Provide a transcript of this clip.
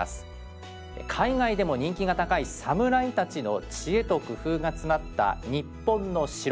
海外でも人気が高い「サムライ」たちの知恵と工夫が詰まった日本の城。